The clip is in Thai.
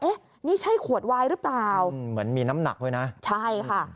นี่ใช่ขวดวายหรือเปล่าเหมือนมีน้ำหนักด้วยนะใช่ค่ะ